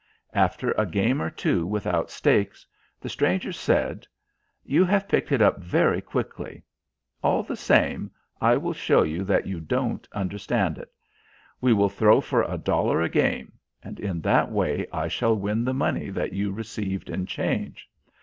After a game or two without stakes, the stranger said: "You have picked it up very quickly. All the same, I will show you that you don't understand it. We will throw for a dollar a game, and in that way I shall win the money that you received in change.